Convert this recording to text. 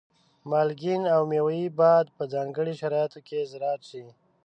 مالګین او مېوې باید په ځانګړو شرایطو کې زراعت شي.